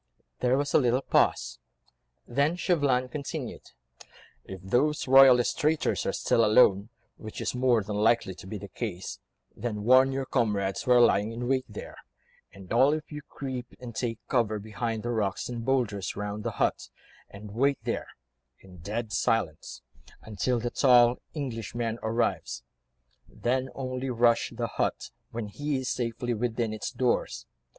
There was a little pause, then Chauvelin continued,— "If the royalist traitors are still alone, which is more than likely to be the case, then warn your comrades who are lying in wait there, and all of you creep and take cover behind the rocks and boulders round the hut, and wait there, in dead silence, until the tall Englishman arrives; then only rush the hut, when he is safely within its doors.